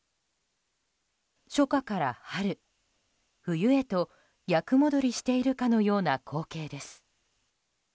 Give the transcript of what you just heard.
初夏から春、冬へと逆戻りしているかのような光景です。